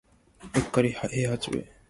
うっかり八兵衛